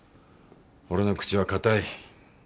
俺の口は堅い。